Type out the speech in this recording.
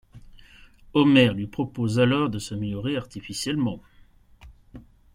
Homer lui propose alors de s'améliorer artificiellement.